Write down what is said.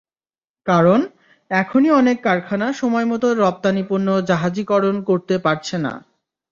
কারণ, এখনই অনেক কারখানা সময়মতো রপ্তানি পণ্য জাহাজীকরণ করতে পারছে না।